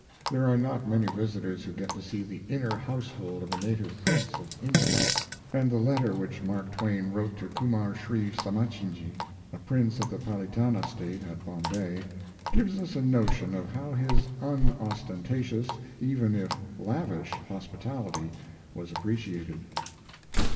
There are not many visitors who get to see the inner household of a native prince of India, and the letter which Mark Twain wrote to Kumar Shri Samatsinhji, a prince of the Palitana state, at Bombay, gives us a notion of how his unostentatious, even if lavish, hospitality was appreciated.